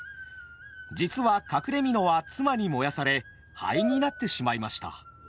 実は隠れ蓑は妻に燃やされ灰になってしまいました。